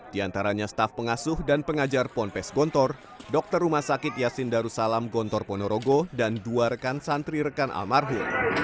di antaranya staf pengasuh dan pengajar ponpes gontor dokter rumah sakit yasin darussalam gontor ponorogo dan dua rekan santri rekan almarhum